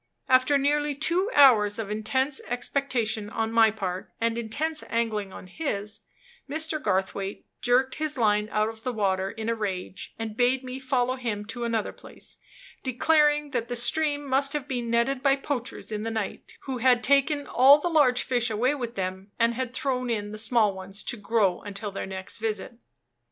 After nearly two hours of intense expectation on my part, and intense angling on his, Mr. Garthwaite jerked his line out of the water in a rage, and bade me follow him to another place, declaring that the stream must have been netted by poachers in the night, who had taken all the large fish away with them, and had thrown in the small ones to grow until their next visit.